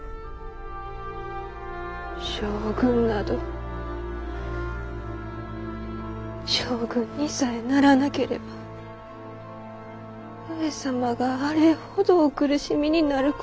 将軍など将軍にさえならなければ上様があれほどお苦しみになることはあらしゃられませなんだ。